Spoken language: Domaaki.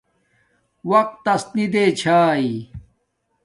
وقت تس نی دے چھاݵ